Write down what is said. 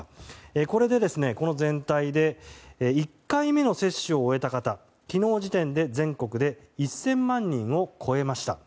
これで全体で１回目の接種を終えた方昨日時点で、全国で１０００万人を超えました。